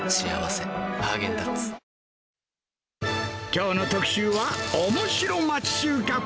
きょうの特集は、おもしろ町中華。